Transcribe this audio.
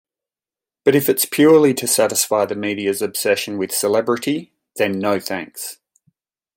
But if it's purely to satisfy the media's obsession with celebrity, then no thanks.